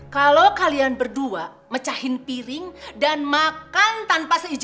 kalau kalian berdua mencari piring itu kalian akan mampus banget ya